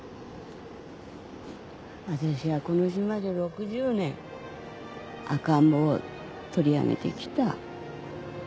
わたしはこの島で６０年赤ん坊を取り上げてきた。